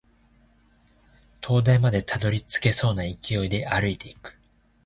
灯台までたどり着けそうな勢いで歩いていく